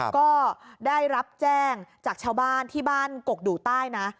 ก็ได้รับแจ้งจากชาวบ้านที่บ้านกกดูใต้นะ